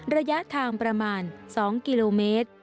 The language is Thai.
ระยะทางประมาณ๒กิโลเมตร